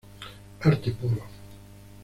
Arte puro.